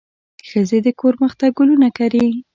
ښځې د کور مخ ته ګلونه کري.